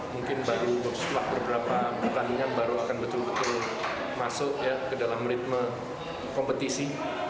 mungkin baru setelah beberapa pertandingan baru akan betul betul masuk ke dalam ritme kompetisi